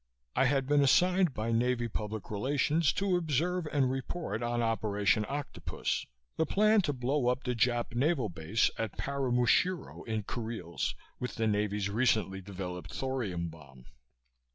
I had been assigned by Navy Public Relations to observe and report on Operation Octopus the plan to blow up the Jap naval base at Paramushiro in Kuriles with the Navy's recently developed thorium bomb.